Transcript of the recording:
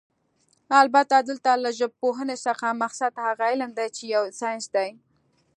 البته دلته له ژبپوهنې څخه مقصد هغه علم دی چې يو ساينس دی